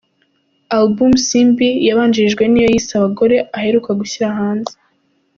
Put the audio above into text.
Album "Simbi" yabanjirijwe n’iyo yise "Abagore", aheruka gushyira hanze.